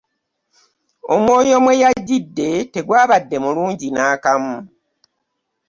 Omwoyo mwe yajjidde tegwabadde mulungi n'akamu.